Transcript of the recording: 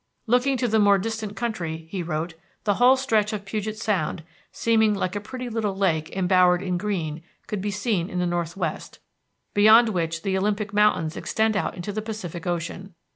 "Looking to the more distant country," he wrote, "the whole stretch of Puget Sound, seeming like a pretty little lake embowered in green, could be seen in the northwest, beyond which the Olympic Mountains extend out into the Pacific Ocean.